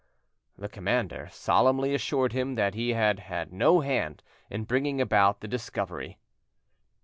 The commander solemnly assured him that he had had no hand in bringing about the discovery.